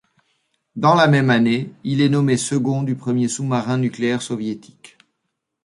Dans la même année, il est nommé second du premier sous-marin nucléaire soviétique.